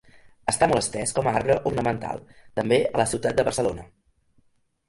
Està molt estès com a arbre ornamental, també a la ciutat de Barcelona.